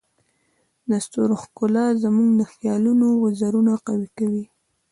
د ستورو ښکلا زموږ د خیالونو وزرونه قوي کوي.